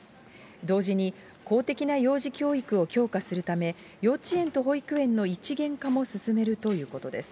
同時に、公的な幼児教育を強化するため、幼稚園と保育園の一元化も進めるということです。